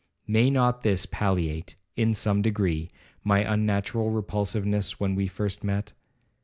May not this palliate, in some degree, my unnatural repulsiveness when we first met?